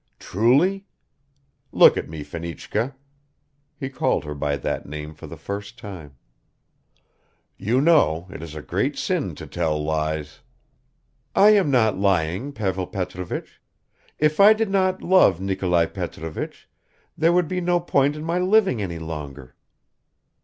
"Truly? Look at me, Fenichka." (He called her by that name for the first time.) ... "You know, it is a great sin to tell lies!" "I am not lying, Pavel Petrovich. If I did not love Nikolai Petrovich, there would be no point in my living any longer."